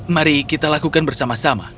mari kita lakukan bersama sama